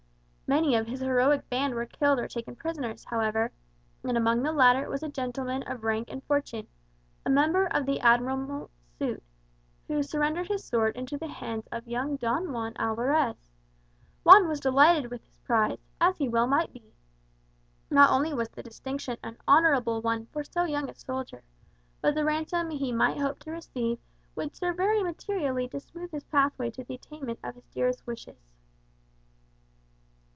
Many of his heroic band were killed or taken prisoners, however; and amongst the latter was a gentleman of rank and fortune, a member of the admiral's suite, who surrendered his sword into the hands of young Don Juan Alvarez. Juan was delighted with his prize, as he well might be. Not only was the distinction an honourable one for so young a soldier; but the ransom he might hope to receive would serve very materially to smooth his pathway to the attainment of his dearest wishes.